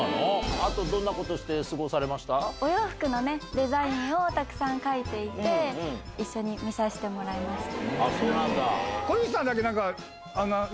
あとどんなことしお洋服のね、デザインをたくさん描いていて、一緒に見させてもらいました。